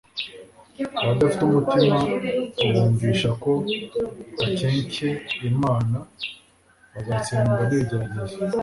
Abadafite umutima ubumvisha ko bakencye Imana, bazatsindwa n'ibigeragezo.